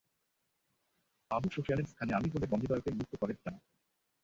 আবু সুফিয়ানের স্থানে আমি হলে বন্দিদ্বয়কে মুক্ত করে দিতাম।